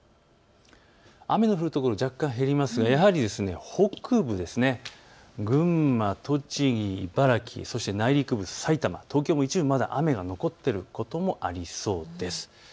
雨の降るところ若干、減りますがやはり北部、群馬、栃木、茨城、そして内陸部、さいたま、東京も一部雨が残っていることもありそうです。